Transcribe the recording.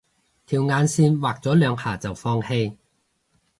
條眼線畫咗兩下就放棄